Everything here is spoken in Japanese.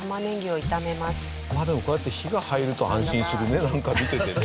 でもこうやって火が入ると安心するねなんか見ててね。